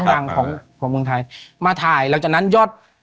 หลังของของเมืองไทยมาถ่ายหลังจากนั้นยอด